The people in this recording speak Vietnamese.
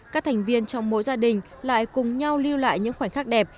các thành viên trong mỗi gia đình lại cùng nhau lưu lại những khoảnh khắc đẹp